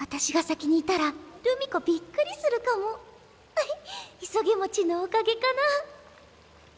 フフッいそげもちのおかげかな。